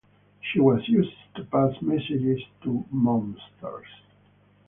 She was used to pass messages to mobsters.